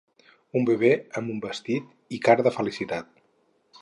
Un bebè amb un vestit i cara de felicitat.